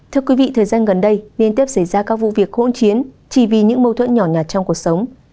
thưa quý vị thời gian gần đây liên tiếp xảy ra các vụ việc hỗn chiến chỉ vì những mâu thuẫn nhỏ nhặt trong cuộc sống